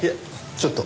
ちょっと。